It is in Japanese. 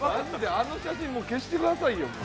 あの写真、消してくださいよ。